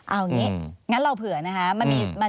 เอาอย่างนี้งั้นเราเผื่อนะคะ